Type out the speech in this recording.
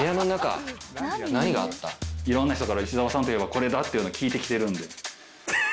いろんな人から吉沢さんっていえばこれだって聞いて来てるんで。